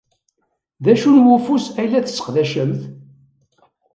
D acu n uwfus ay la tesseqdacemt?